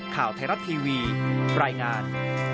ข่าวไทยรัฐทีวีรายงาน